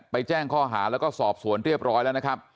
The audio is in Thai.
แจ้งข้อหาแล้วก็สอบสวนเรียบร้อยแล้วนะครับ